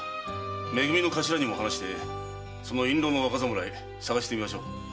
め組の頭にも話してその印籠の若侍捜してみましょう。